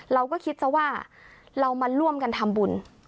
เราก็คิดซะว่าเรามาร่วมกันทำบุญ